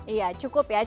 iya cukup ya cukup